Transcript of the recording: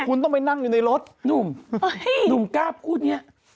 คุณต้องไปนั่งอยู่ในรถหนุ่มหนุ่มกล้าพูดเนี่ย